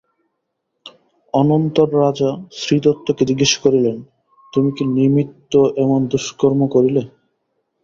অনন্তর রাজা শ্রীদত্তকে জিজ্ঞাসা করিলেন, তুমি কি নিমিত্ত এমন দুষ্কর্ম করিলে।